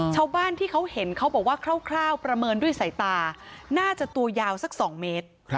ชาวบ้านที่เขาเห็นเขาบอกว่าคร่าวประเมินด้วยสายตาน่าจะตัวยาวสัก๒เมตร